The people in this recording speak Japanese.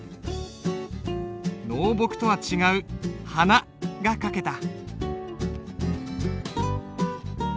濃墨とは違う「花」が書けた。